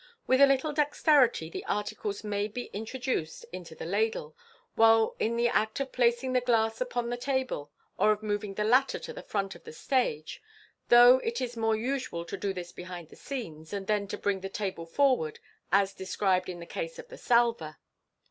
With a little dexterity, the articles may be intro duced into the " ladle," while in the act of placing the glass upon the table, or of moving the latter to the front of the stage, though it is more usual to do this behind the scenes, and then to bring the table forward, as described in the case of the salver.